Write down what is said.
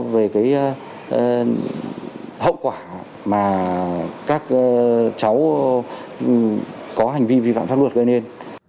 về cái hậu quả mà các cháu có hành vi vi phạm pháp luật gây nên